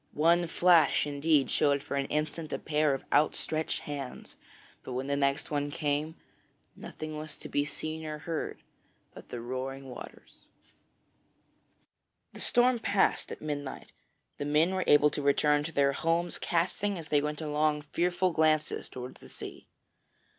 One flash, indeed, showed for an instant a pair of outstretched hands; but when the next one came, nothing was to be seen or heard but the roaring waters. [Illustration: FATHER REDCAP FOUND IN THE CELLAR] The storm passed at midnight, the men were able to return to their homes, casting, as they went along, fearful glances towards the sea.